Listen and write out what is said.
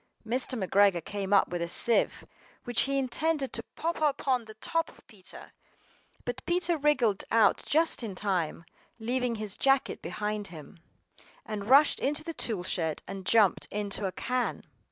MR. McGREGOR came up with a sieve, which he intended to pop upon the top of Peter; but Peter wriggled out just in time, leaving his jacket behind him. AND rushed into the toolshed, and jumped into a can.